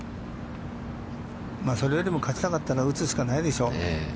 それよりも勝ちたかったら打つしかないでしょう。